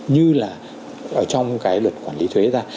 như là trong cái luật quản lý thuế ra